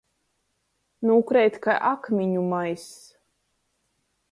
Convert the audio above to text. Nūkreit kai akmiņu maiss.